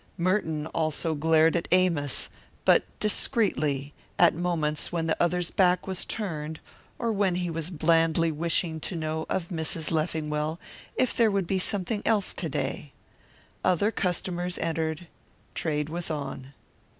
Merton also glared at Amos, but discreetly, at moments when the other's back was turned or when he was blandly wishing to know of Mrs. Leffingwell if there would be something else to day. Other customers entered. Trade was on.